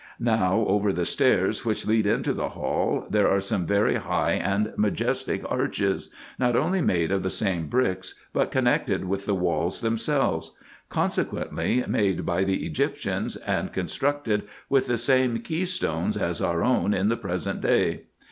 Now over the stairs, which lead into the hall, there are some very high and majestic arches, not only made of the same bricks, but con nected with the walls themsehes; consequently, made by the Egyptians, and constructed with the same key stones as our own in the present day.